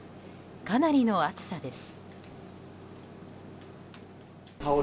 かなりの暑さです。